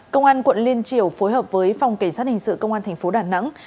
công an quận liên triều phối hợp với phòng cảnh sát hình sự công an tp đà nẵng